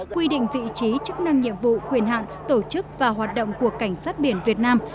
quy định vị trí chức năng nhiệm vụ quyền hạn tổ chức và hoạt động của cảnh sát biển việt nam